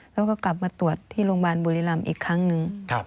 แล้วก็กลับมาตรวจที่โรงพยาบาลบุรีรำอีกครั้งหนึ่ง